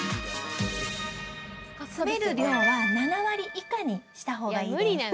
詰める量は７割以下にしたほうがいいです。